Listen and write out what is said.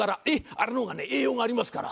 あれの方がね栄養がありますから。